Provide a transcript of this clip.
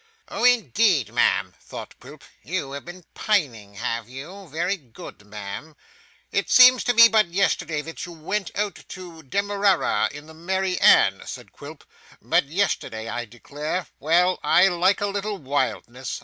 'Oh indeed, ma'am,' thought Quilp, 'you have been pining, have you? Very good, ma'am.' 'It seems to me but yesterday that you went out to Demerara in the Mary Anne,' said Quilp; 'but yesterday, I declare. Well, I like a little wildness.